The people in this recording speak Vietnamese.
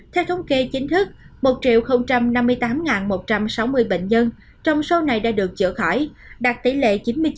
theo thống kê chính thức một năm mươi tám một trăm sáu mươi bệnh nhân trong số này đã được chữa khỏi đạt tỷ lệ chín mươi chín